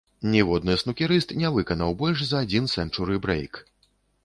Ніводны снукерыст не выканаў больш за адзін сэнчуры-брэйк.